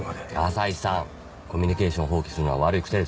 朝陽さんコミュニケーションを放棄するのは悪い癖ですよ。